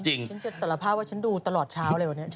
ฉันจะสารภาพว่าฉันดูตลอดเช้าเลยวันนี้